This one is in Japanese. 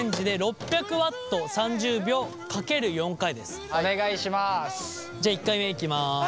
じゃあ１回目いきます。